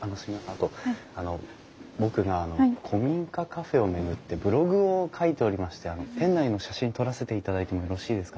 あと僕があの古民家カフェを巡ってブログを書いておりまして店内の写真撮らせていただいてもよろしいですかね？